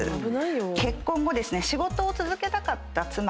結婚後仕事を続けたかった妻。